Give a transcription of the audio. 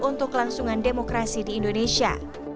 untuk kelangsungan demokrasi di indonesia